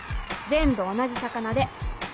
「全部同じ魚で！」。